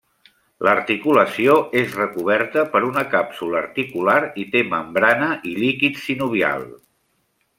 L'articulació és recoberta per una càpsula articular i té membrana i líquid sinovial.